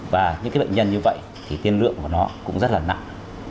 và những bệnh nhân như vậy thì tiên lượng của nó cũng rất là nặng